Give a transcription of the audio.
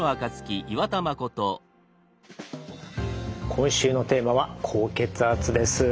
今週のテーマは「高血圧」です。